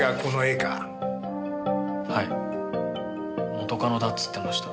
元カノだっつってました。